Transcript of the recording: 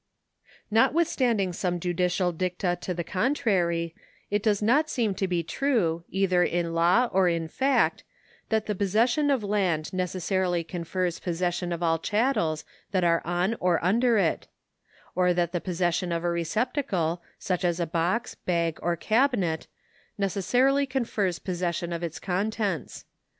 Notwithstanding some judicial dicta to the contrary, it does not seem to be true, either in law or in fact, that the posses sion of land necessarily confers possession of all chattels that are on or under it ; or that the possession of a receptacle such as a box, bag, or cabinet, necessarily confers possession of its contents.